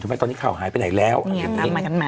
ทำไมตอนนี้ข่าวหายไปไหนแล้วอย่างนี้ทำมากันมา